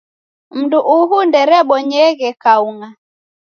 Mndu uhu nderebonyeghe kaung'a